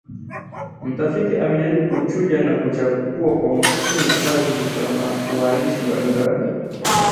mtafiti amejaribu kuchuja na kuchagua kwa makini kazi za waandishi mbalimbali